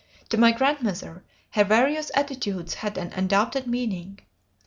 To my grandmother her various attitudes had an undoubted meaning.